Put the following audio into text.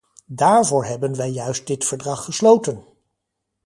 Daarvoor hebben wij juist dit verdrag gesloten!